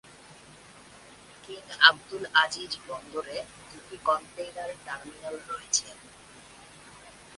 King Abdul Aziz বন্দরে দুটি container terminal রয়েছে।